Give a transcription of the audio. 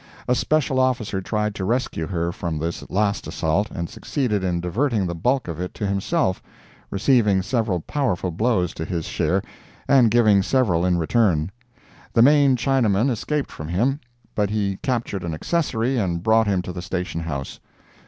A Special Officer tried to rescue her from this last assault, and succeeded in diverting the bulk of it to himself, receiving several powerful blows to his share, and giving several in return; the main Chinaman escaped from him, but he captured an accessory and brought him to the station house.